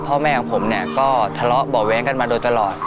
พ่อแม่ของผมเนี่ยก็ทะเลาะเบาะแว้งกันมาโดยตลอด